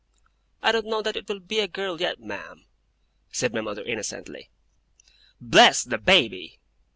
'I don't know that it will be a girl, yet, ma'am,' said my mother innocently. 'Bless the Baby!